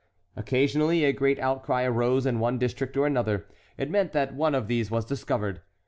Occasionally a great outcry arose in one district or another; it meant that one of these was discovered.